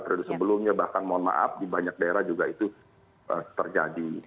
periode sebelumnya bahkan mohon maaf di banyak daerah juga itu terjadi